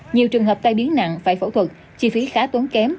nhiều trường hợp tai biến nặng phải phẫu thuật chi phí khá tốn kém